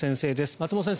松本先生